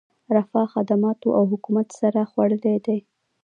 رفاه، خدماتو او حکومت سر خوړلی دی.